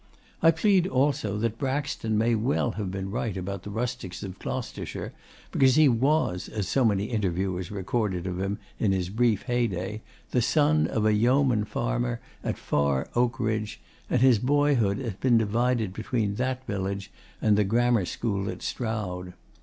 I plead also that Braxton may well have been right about the rustics of Gloucestershire because he was (as so many interviewers recorded of him in his brief heyday) the son of a yeoman farmer at Far Oakridge, and his boyhood had been divided between that village and the Grammar School at Stroud.